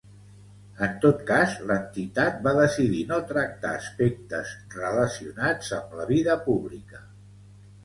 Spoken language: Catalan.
En tot cas, l'entitat va decidir no tractar aspectes relacionats amb la vida pública.